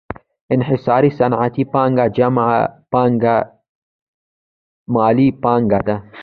انحصاري صنعتي پانګه جمع بانکي پانګه مالي پانګه ده